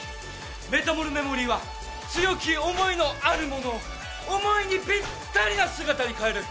メタモルメモリーは強き思いのある者を思いにピッタリな姿に変える。